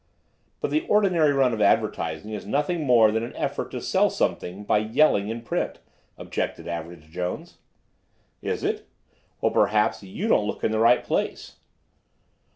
"But the ordinary run of advertising is nothing more than an effort to sell something by yelling in print," objected Average Jones. "Is it? Well perhaps you don't look in the right place."